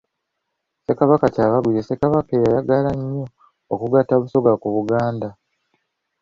Ssekabaka Kyabaggu ye Ssekabaka eyayagala ennyo okugatta Busoga ku Buganda.